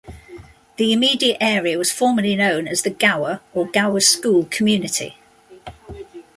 The immediate area was formerly known as the "Gower" or "Gower School" community.